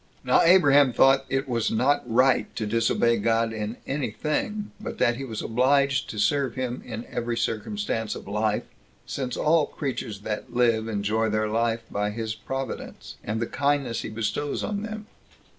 2. Now Abraham thought that it was not right to disobey God in any thing, but that he was obliged to serve him in every circumstance of life, since all creatures that live enjoy their life by his providence, and the kindness he bestows on them.